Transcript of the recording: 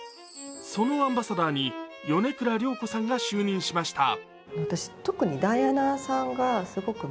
そのアンバサダーに米倉涼子さんが就任しました。